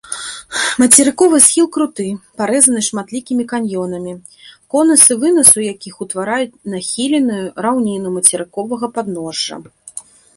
Мацерыковы схіл круты, парэзаны шматлікімі каньёнамі, конусы вынасу якіх утвараюць нахіленую раўніну мацерыковага падножжа.